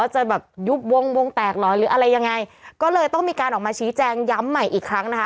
จะแบบยุบวงวงแตกเหรอหรืออะไรยังไงก็เลยต้องมีการออกมาชี้แจงย้ำใหม่อีกครั้งนะคะ